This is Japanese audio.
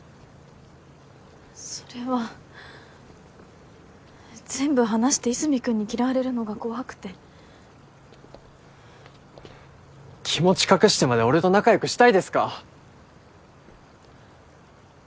それは全部話して和泉君に嫌われるのが怖くて気持ち隠してまで俺と仲よくしたいですか？